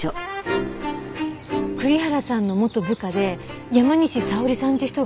栗原さんの元部下で山西沙織さんっていう人がいるの。